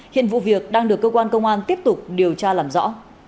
hiện vụ việc đang được cơ quan công an tiếp tục điều tra làm rõ